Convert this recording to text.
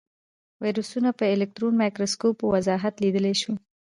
ویروسونه په الکترون مایکروسکوپ په وضاحت لیدلی شو.